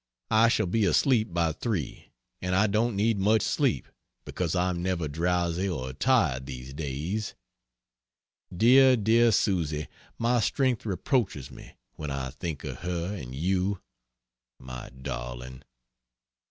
I shall be asleep by 3, and I don't need much sleep, because I am never drowsy or tired these days. Dear, dear Susy my strength reproaches me when I think of her and you, my darling.